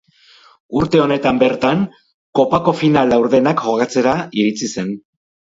Urte honetan bertan Kopako final laurdenak jokatzera iritsi zen.